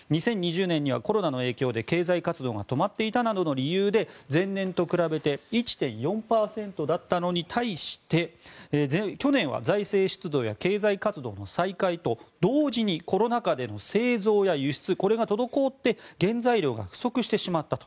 ２０２０年にはコロナの影響で経済活動が止まっていたなどの理由で前年と比べて１．４％だったのに対して去年は財政出動や経済活動の再開と同時にコロナ禍での製造や輸出これが滞って原材料が不足してしまった。